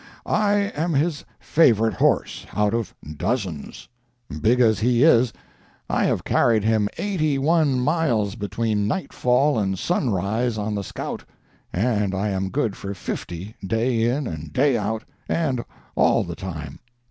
I am his favorite horse, out of dozens. Big as he is, I have carried him eighty one miles between nightfall and sunrise on the scout; and I am good for fifty, day in and day out, and all the time.